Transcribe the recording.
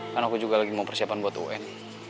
kan aku juga lagi mau persiapan buat un